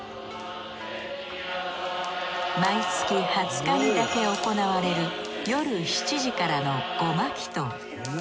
毎月２０日にだけ行われる夜７時からの護摩祈祷。